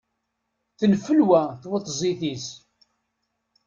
Tenfelwa tweṭzit-is.